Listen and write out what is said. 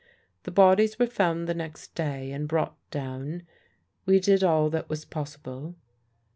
The bodies were found the next day and brought down. We did all that was possible.